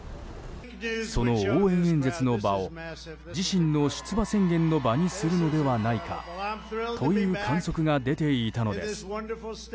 その応援演説の場を自身の出馬宣言の場にするのではないかという観測が出ていたのです。